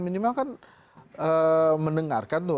minimal kan mendengarkan tuh